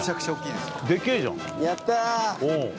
やった。